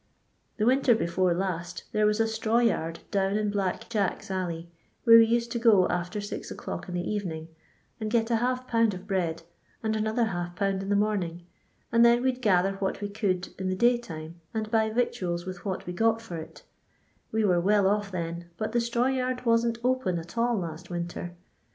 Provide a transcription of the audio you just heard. The winter before last, there was a straw yard down in Black Jack*s alley, where we used to go after six o'clock in the evening, and get ^ lb. of bread, and another | lb. in the morning, and then we 'd gather what we could in the daytime and buy victuals with what wc got for it We were well off then, but the straw yard wasn't open at all last win tec.